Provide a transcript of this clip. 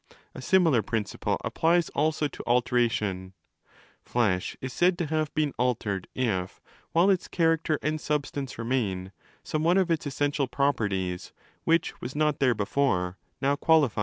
A similar principle applies also to 'alteration'. — Flesh is said to have been 'altered' if, while its character and substance remain, some one of its essential properties, which was not there before, now qualifies it: on the other 5 1 viz.